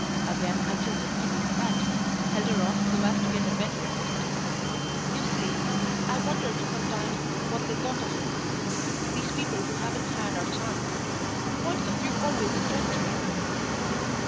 Again I tilted Kitty's hat, held her off so as to get a better effect. "You see, I've wondered sometimes what they thought of us these people who haven't had our chance. Points of view always interest me."